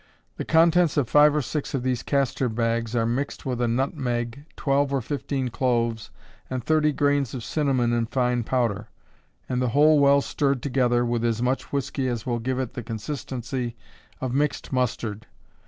The contents of five or six of these castor bags are mixed with a nutmeg, twelve or fifteen cloves and thirty grains of cinnamon in fine powder, and the whole well stirred together with as much whiskey as will give it the consistency of mixed mustard.